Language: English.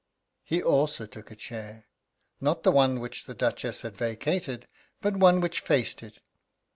He also took a chair. Not the one which the Duchess had vacated, but one which faced it.